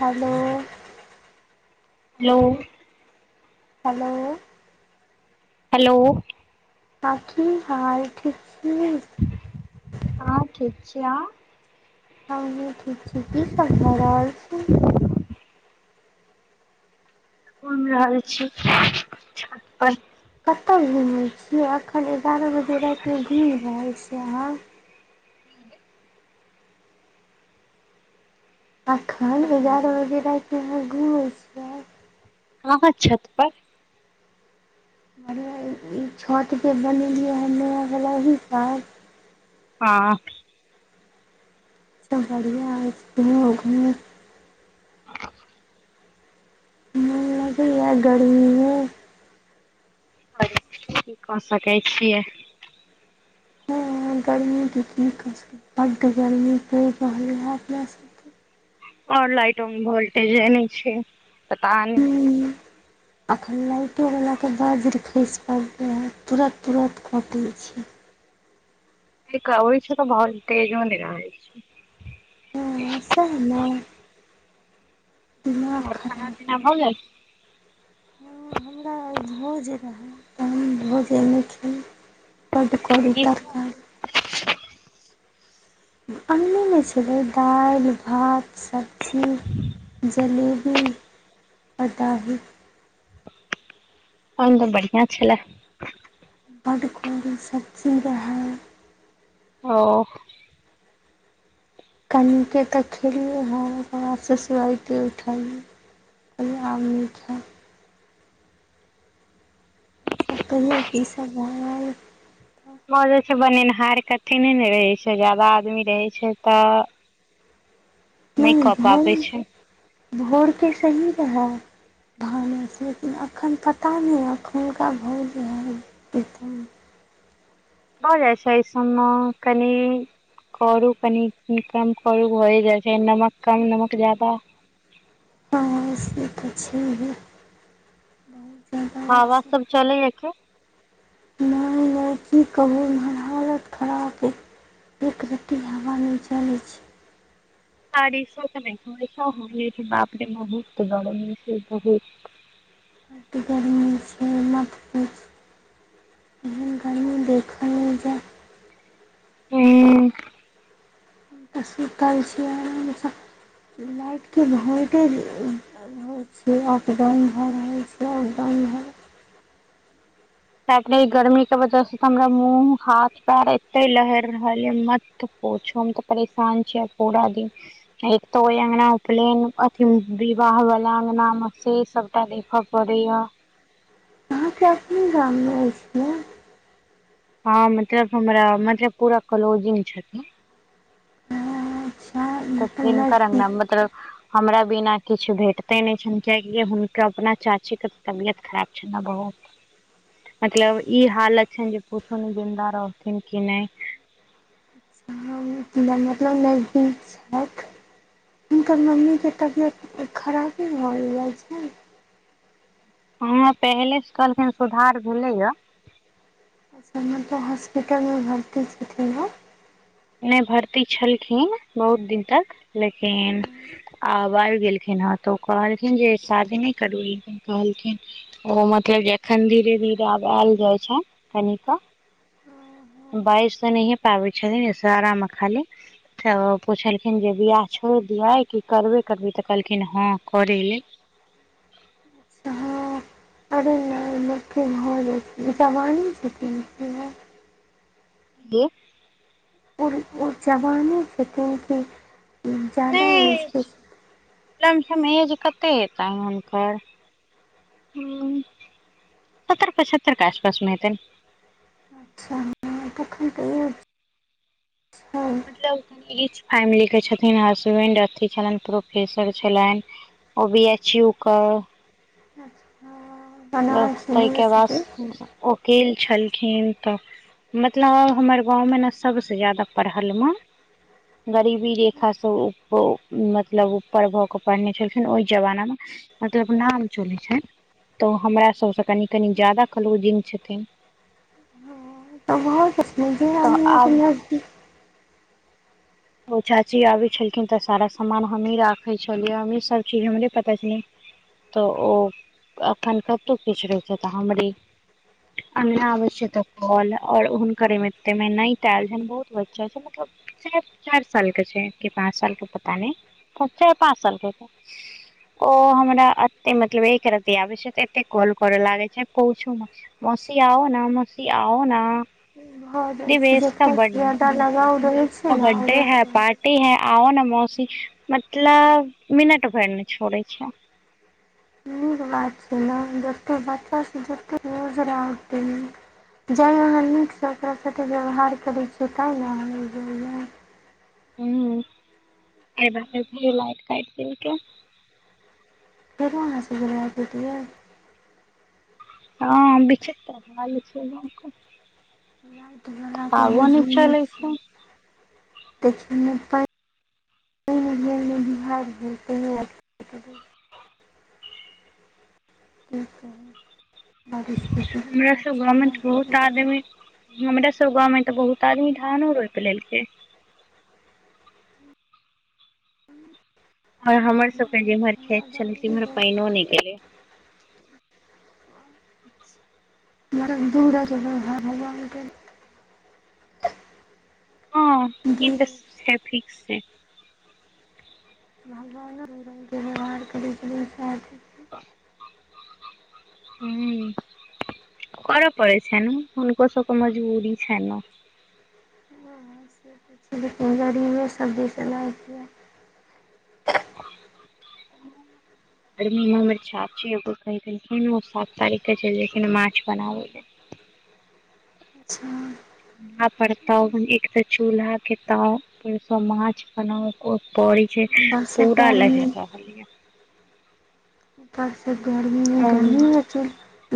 हलो। Hello. Hello. Hello. हां, की हाल ठीक छी? हँ ठीक छी, अहां? हमहुँ ठीक छी, की सब भऽ रहल छै। घुमि रहल छी, छत पर। कतऽ घुमे छियै अखन एगारह बजे राति मे घुम रहल छी अहाँ। अखन एगारह बजे राति मे अहाँ घूमै छी। हाँ-हाँ छत पर। हमहुँ ई छत जे बनेलिये है नया वला एही साल। हाँ। ई तऽ बढ़िया हेय छै [unintelligible] मोन लगैये ऐ गर्मी मे। और की कऽ सकै छियै। हाँ गर्मी के की कऽ सकै छियै, बड्ड गर्मी परि रहल ये अपना सब के। और लाईटो में भोलटेजे ने छै, पता नै। अखनो लाइटो वलाके बज्र खैस पड़लै है, तुरत-तुरत कटै छै। एतऽ आबै छै तऽ भोलटेजौ नै अबै छै। हूँ सही मे दिमाग और खाना खराब पीना भऽ जायत गेल हाँ हमरा आइ भोज रहै तऽ हम भोजो नै खेलियै। काल रिकॉर्डिंग की करऽ तहन केल अंगने मे छलै दालि, भात, सब्जी जलेबी अ दही। अन त बढ़िआँ छलै। बड्ड कोरू सब्जी रहै। ओ। कनिके त खेलियै हन ओकर बाद सुसुवाइते उठलियै। कहलियै आब नय खैब। और सब कहियौ कि सब भेलए। मजे छैय बनेनिहार के अथी नैने रहै छैय जबाब नै रहै छैय त। नै भोर, पाबै छै भोरके सही रहै। धाने छियै कि लेकिन अखैन पता नय एखुनका भोज रहे। [unintelligible] भय जाइ छैय अय सब म कनि। करू कनि कम करू भए जाइ छैय नमक कम, नमक जादा ‌। हाँ से त छैहे। बहुत जादा हावा सब चलैये की। नय-नय की कहूं एम्हर हालत खराब अय। एक रति हवा नै चलै छैय। हां रिशूओ कहै छलै मम्मी, बापे रे बहुत गरमी छैय बहुत। ऐत गर्मी छैय मत पूछ। एहन गर्मी देखल नय जाए। हूँ। हम त सुतल छीयै आराम से लाइटके भौल्टेज [unintelligible] अप डाउन भ रहल छैय, अप डाउन भ रहल बाप रे इ गर्मीके वजह से त हमरा मुँह, हाथ, पैर एते लहर रहल ये मत पूछू हम त परेशान छीयै पूरा दिन। एक त ओय अंगना उपलेन अथि विवाह वला अंगनामे से सब टा देखऽ पड़ैया। अहाँके अपने गाममे ऐइछ न। हांँ मतलब हमरा मतलब पूरा क्लोजिंग छथिन। अच्छा तब मतलब तीनकर अंगना नजदीक मतलब हमरा बिना किछ भेटते ने छैन कियाकि हुनके अपना चाचीके तबियत खराब छैय न बहुत। मतलब इ हालत छैन जे कुछो दिन जिन्दा रहथिन कि नय। मतलब नजदीक छैथ। हुनकर मम्मीके तबियत खराबे भेल जाय छैन। हाँ पहिलेसँ कहलखिन सुधार भेलैया। [unintelligible] मतलब हॉस्पिटलमे भर्ती छथिन न। नै भर्ती छलखिन बहुत दिन तक लेकिन आब बाहर गेलखिन हेँ त ओ कहलखिन जे शादी नै करू लेकिन कहलखिन ओ मतलब जे एखन धीरे-धीरे आब आयल जाय छैन कनी क। बाइज त नहिये पाबै छथिन इशारामे खाली फेर ओ पुछलखिन जे बियाह छोइड़ दियै कि करबे करभी त कहलखिन जे हँ करे ले। अच्छा। [inaudible] की भ जाइ छैय ओ त जवाने छथिन की ने। की? ओ-ओ जवाने छथिन कि जादा नहि एजके छथिन। लमसम ऐज कते हेतैन हुनकर ह सत्तर पचहत्तर के आसपास मे हतैन अच्छा तखन त ओ [unintelligible] मतलब कनि रच फैमिली के छथिन हसबैंड अथी छलनि प्रोफेसर छलईन अबीयाचू क [unintelligible] ताहिके यूनिवर्सिटी बाद ओकील छलखिन तऽ, मतलबब हमर गाँवमे न, सबसँ ज्यादा पढ़लम, गरीबी रेखा सँ मतलब उऊपर भऽ, कऽ पढ़ने छलखिन ओइह जमाना मे मतलब नाम चलै छइन तऽ हमरा सभसँ कनि -कनि ज्यादा कलोजिंग छथिन बहुत अपने जेी यहाँ तऽ आब [unintelligible] ओ चाची आबे छलखिन तऽ, सारा समामान हमही राखे छलियै, हमही सब चीज हमरे पता छलै तऽ ओ अखन कतहुँ किछु रहैत छै, तऽ हमरे अगना आबे छै त कहल और हुनकर एमे तैमे नईत आयल छ बहुत बच्चा छै, मतलब चाइर - चाइर सालके छै, की पाँच सालके पता नय चार पाँच सालके छय ओ हमरा एते मतलब एक रती आबे छै एते कॉल करऽ लागे छै, पूछू मत मौसी आओ नऽ मोसी आओ नऽ, भऽ जाइ छै बिवेश जकरा सब ज्यादा बरिया लगाव रहै बिवेश छै सब ने बरिया ओकरा पार्टी है आओ न मौसी मतलब मिनट भरि ने छोड़े छै। नीक बात छै ने जतेक बच्चासँ जतेक न्यूज रह उत ह जाहि अहाँ नीकसँ ओकरा साथे व्यवहार करै छियै तैहि ने अहाँए लग रहया हुँ [inaudible] लाइट काटि देलकए फेरो अहाँसँ घुला देतियै हँ बि छै [unintelligible] राइत बाला त आगो नहि बुझले चलै छै छो। [inaudible] नहि बिहार भेल तहि आ [unintelligible] की कही हमरा सभ गाँवमे तऽ बहुत रहल आदमी हमरा सब गाँवमे तऽ बहुत आदमी धानो रोप लेलकै आ हमर अछि सब के जेमहर खेत छले तिइम्हर मतलब पाइनो नहि गेले बड़ दूरा जगह हर भगवानके हँ दू ई तऽ छै फिक्स छै भगवाने दू रंग के व्यवहार करै रहैत छैथ हू करऽ पड़े छयन हुनको सबके मजबूरी छइन न। लेकिन गरीब सबदिस लै छियै हँ [inaudible] रिमो मे छाचीयौ के कहीं देलखिन ओ सात तारीख के चइल गेलखिन माछ बनाबे ले अचछा हा पढ़ता हु एक त चूल्हा के ताऊ। [unintelligible] माछ बनाऊ ओ परेय छै ऊपर से पूरा लइ गर्मी लहर रहल यऽ। उपरसँ गर्मी मे ये गर्मी हो च।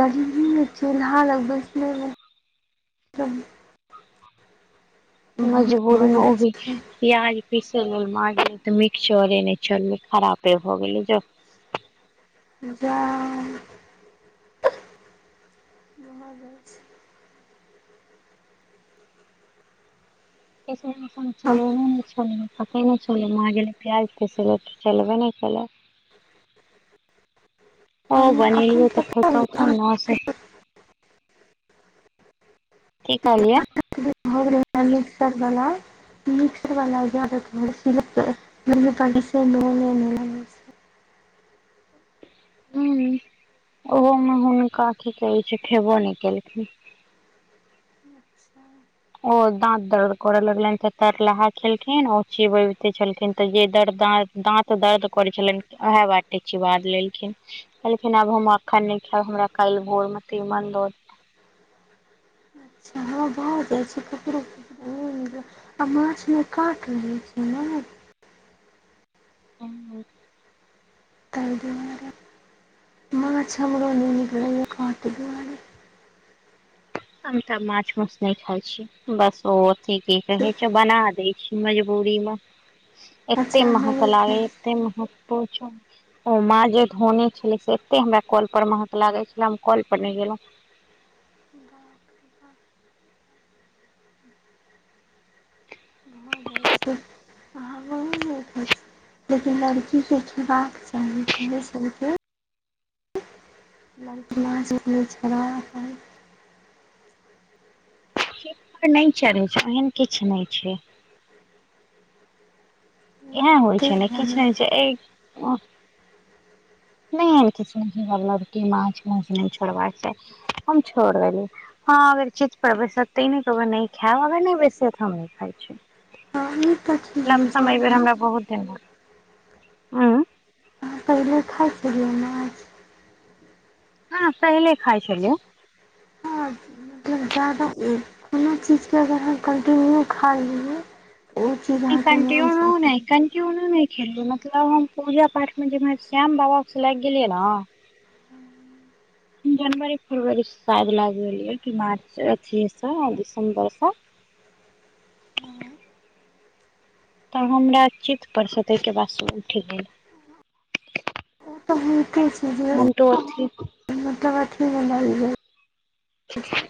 गरीमीमे चूल्हा लग बैसले मे। [inaudible] बहुत मजबूरी भऽ जाइ अबय छै छय। प्याज पीसे लेल माझिल तऽ मिक्सचरे नहि चललै खरापे भ गेलै जाउ। जाऽ मंगल छै। [unintelligible] मां गेलै प्याज पिसयलै, तऽ चलबे नहि केलै। ओ हम एखन बनलिय तऽ पता खत अइ ख अहाँ न के से की कहलियै आय मिक्ससर बला मिक्सर बला जार [unintelligible] हुं ओहो मे हुनका की कहै छै, खेबो नहि केलखिन। [inaudible] ओ दांत दर्द करे लगलेन, ते तरलाहा खेलखिन औ चिबेबते छलखिन ते जे दर दांत दाँत दर्द करै छलनि, वैह बाटे चीबा लेलखिन। कहलखिन आब हम एखन नहि खैब, हमरा काल्हि भोर मे तिमन द देब। [unintelligible] ओ आ माछ में कांट रहय [unintelligible] [unintelligible] तय दुआारे, माछ हमरो नय निक लगये कांट दुआारे। हम तऽ माछ माॅस नहि खाय छी, बस ओ अथी की कहे छै, बना दै छी। मुरी में एते, एत अच्छा अहाँ महक नहि लागे खाइ छी एते महक पुछी नय। ओ माँ जे धोने छले, से एते हमरा कल पर महक लागे छले, हम कल पर नहि गेलहुं। [unintelligible] हमहुँ नहि खाइ छी लेकिन लड़की के खेबाक चाही, कमे सम के। [unintelligible] चित पर नहि चढ़ै छै, एहन किछु नहि छै। ऐह होइ छै ने किछ नहि चाही छय अय नहि ऐहन किछ नय छय, [unintelligible] माछ माॅस नहि छोड़बाक चाही, हम छोड़ देल ये। हँ अगर चित पर बैसत त इ नहि कह बय नै खैब, अगर नहि बैसत, हम नहि खाइ छी। ह ई तऽ लम छैहे सम जौन अयबेर, अहाँ हमरा बहुत दिन भ गेल। खाय छलिय ये माछ। हँ, पहिले खाइ छलियै। हँ जी जादा कोनो चीजके अगर अहां कन्टिन्यू खा लिय ओ फेर अहां के मन स उतरि जयेत। क्योंनोने खेलिये मतलब हम पूजा पाठ में जे मे श्याम बाबा स लागि गेलियै न [unintelligible] [inaudible] जनवरी फरवरी से शायेद लागि गेलये, कि मार्च अथीे स आ दिसम्बर से त हमरा चित पर स तहिके बाद स उठि गेल। ओ तऽ होइते छै जे हम रो अथी। मतलब अथी [unintelligible] और सब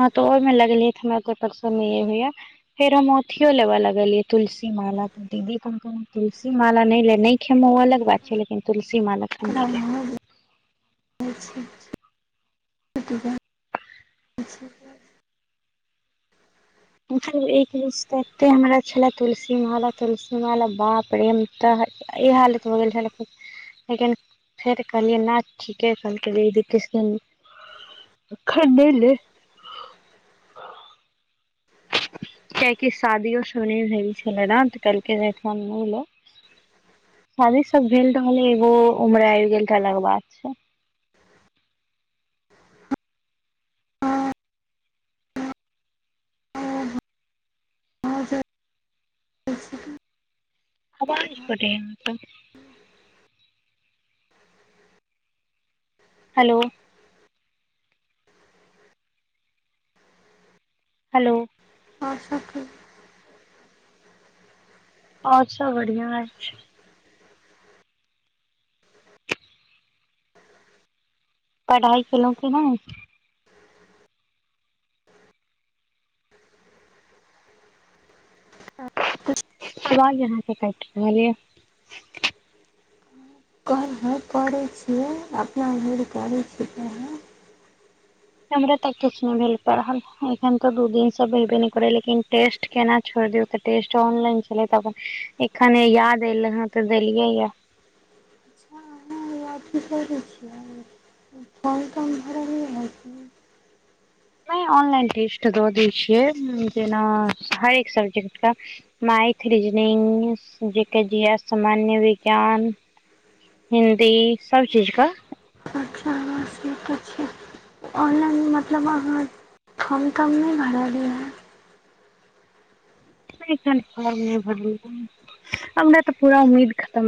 हँ तऽ ओहि में लगेलयै त, हमरा ओकर परसल नय होइया‌। फेर हम ओथियो लेबे लगलियै तुलसी माला। दीदी कहलकौ ह तुलसी माला नहि ले, नहि खेमऽ ओ अलग बात छै, लेकिन तुलसी माला अखन नहि ले [unintelligible] अच्छा-अच्छा [unintelligible] अच्छा। [unintelligible] एक दिश तत्ते हमरा छलै तुलसी माला-तुलसी माला बाप रे हम ता ई हालत भ गेल छलै कि लेकिन फेर कहलियै ना, ठीके कहलकय दीदी किछ दिन अखन नहि ले। कियाकि शादियो सब नहि भेल छलै न, तऽ कहलकै जे अखन नहि ले। शादी सब भेल रहल, एगो उम्र आबि गेल त अलग बात छय। हँ [unintelligible] आवाज कटैया अहाँक। हैलो हैलो अओर सब कि और सब बढ़िया अइछ। पढ़ाइ केलहुं कि नहि। अबाज आहाॅं के कैट रहल यऽ। कहलौ करै छीयै, अपना भैर करै छियै पढ़ाई। हमरा त किछ नहि भेल पढ़ल, एखन तो दू दिन स भेबे नहि करै यैं, लेकिन टेस्ट केना छोड़ दियौ, त टेस्ट ऑनलाइन छलै त एखने याद एले हँ तऽ देलियै यैं। [unintelligible] अथी करै छियै। फॉर्म-तॉर्म भरलियै हैं कि नहि ऑनलाइन टेस्ट दऽ दै छियै, जेना हरेक सब्जेक्ट कऽ। माइथ रिजनिंगस, जिके, जिएस, सामान्य विज्ञान हिन्दी सब चीज क। अच्छा [unintelligible] नीके छैय। ऑन लाइन मतलब अहाँ फॉर्म-तॉर्म नहि भरलियै हं। नहि अखन फार्म नहि भरलियै यैं, हमरा तऽ पूरा उम्मीद खत्तम